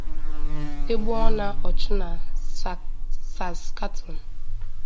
E gbuona ochu na Saskatoon